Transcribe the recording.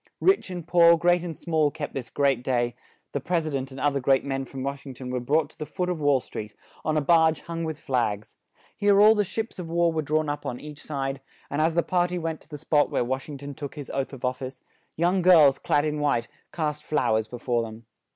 Rich and poor, great and small, kept this great day; the pres i dent and oth er great men from Wash ing ton were brought to the foot of Wall Street, on a barge hung with flags; here all the ships of war were drawn up on each side; and as the par ty went to the spot where Wash ing ton took his oath of of fice, young girls, clad in white, cast flow ers be fore them.